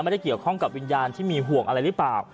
ไม่ได้เกี่ยวข้องกับวิญญาณที่มีห่วงอะไรหรือเปล่า